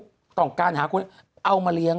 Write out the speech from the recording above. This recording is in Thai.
คุณหนุ่มกัญชัยได้เล่าใหญ่ใจความไปสักส่วนใหญ่แล้ว